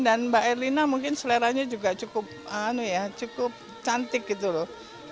dan mbak erlina mungkin seleranya juga cukup cantik gitu loh